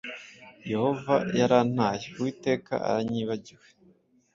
Yehova yarantaye, Uwiteka aranyibagiwe.’